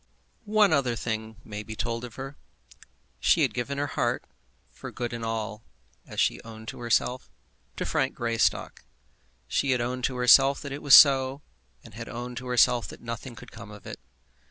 One other thing may be told of her. She had given her heart, for good and all, as she owned to herself, to Frank Greystock. She had owned to herself that it was so, and had owned to herself that nothing could come of it.